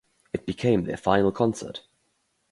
It became their final concert.